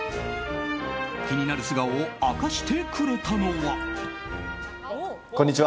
気になる素顔を明かしてくれたのは。